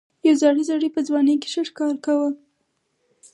یو زاړه سړي په ځوانۍ کې ښه ښکار کاوه.